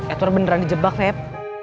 edward beneran dijebak feb